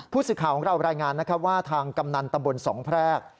ผู้สืบข่าวของเรารายงานว่าทางกำนันตะบลสองแพรก